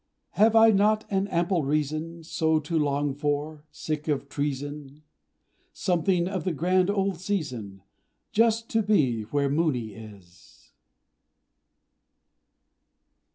Have I not an ample reason So to long for sick of treason Something of the grand old season, Just to be where Mooni is?